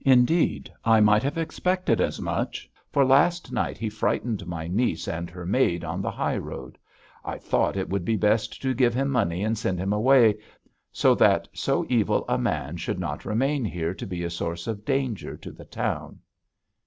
'Indeed, I might have expected as much, for last night he frightened my niece and her maid on the high road. I thought it would be best to give him money and send him away, so that so evil a man should not remain here to be a source of danger to the town.'